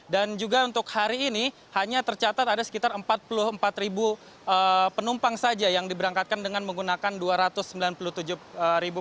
dan juga untuk hari ini hanya tercatat ada sekitar empat puluh empat penumpang saja yang diberangkatkan dengan menggunakan dua ratus penumpang